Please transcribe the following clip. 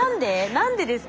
何でですか？